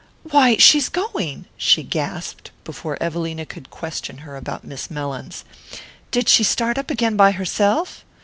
"Why, she's going!" she gasped, before Evelina could question her about Miss Mellins. "Did she start up again by herself?"